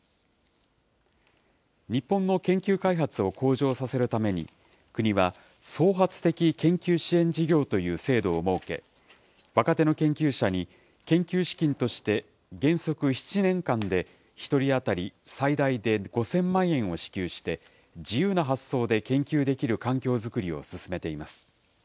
日本の研究開発を向上させるために、国は創発的研究支援事業という制度を設け、若手の研究者に研究資金として原則７年間で１人当たり最大で５０００万円を支給して、自由な発想で研究できる環境作りを進めています。